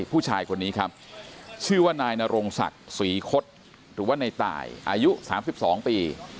ผู้ชายคนนี้ครับชื่อว่านายนรงศักดิ์ศรีคศหรือว่าในตายอายุ๓๒ปี